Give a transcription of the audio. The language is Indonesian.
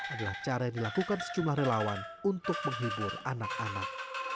adalah cara yang dilakukan sejumlah relawan untuk menghibur anak anak